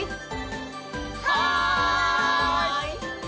はい！